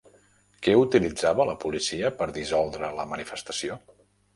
Què utilitzava la policia per dissoldre la manifestació?